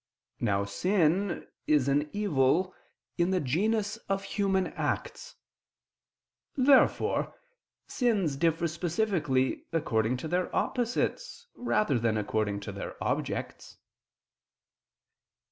Now sin is an evil in the genus of human acts. Therefore sins differ specifically according to their opposites rather than according to their objects.